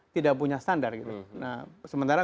tidak punya standar gitu nah sementara